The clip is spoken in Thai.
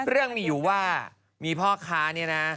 เรื่องมีอยู่ว่ามีพ่อค้านี่นะ